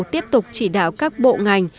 tiếp tục chỉ đạo các bộ ngành